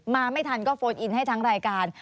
มาไม่ทันก็โฟนอินให้ทั้งรายการ